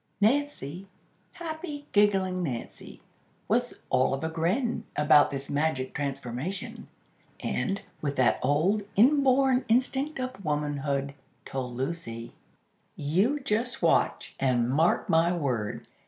Nancy, happy, giggling Nancy, was "all of a grin" about this magic transformation; and, with that old, inborn instinct of womanhood, told Lucy: "You just watch, and mark my word.